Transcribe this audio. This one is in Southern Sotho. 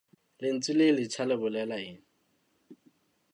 Lentswe le letjha le bolela eng?